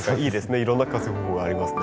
いろんな活用法がありますね。